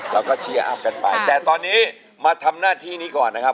เราก็เชียร์อัพกันไปแต่ตอนนี้มาทำหน้าที่นี้ก่อนนะครับ